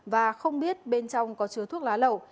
và không biết bên trong có chứa thuốc lá lậu